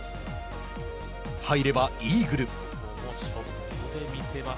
入ればイーグル。